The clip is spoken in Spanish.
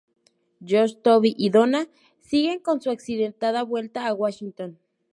Josh, Toby y Donna siguen con su accidentada vuelta a Washington.